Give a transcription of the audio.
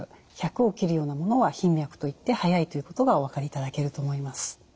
１００を切るようなものは頻脈といって速いということがお分かりいただけると思います。